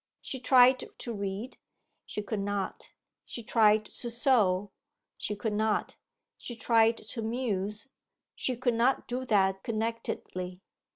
She tried to read; she could not. She tried to sew; she could not. She tried to muse; she could not do that connectedly.